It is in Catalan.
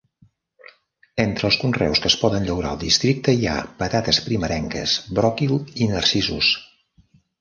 Entre els conreus que es poden llaurar al districte hi ha patates primerenques, bròquil i narcisos.